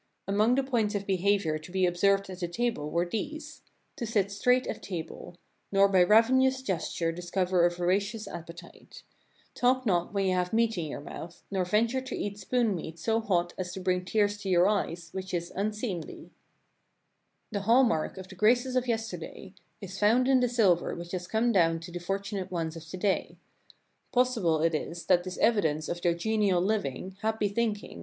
Among the points of behavior to be observed at the table were these: "To sit straight at table. Nor by ravenous gesture discover a voracious appetite. Talk not when you have meat in your mouth, nor venture to eat spoon meat so hot as to bring tears to your eyes, which is unseemly." The "hall mark" of the graces of yesterday is found in the silver which has come down to the fortunate ones of to day. Possible it is that this evidence of their genial living, happy thinking, is but The blue glass lined Sugar Basket of Adam design; most popular in Colonial days [I?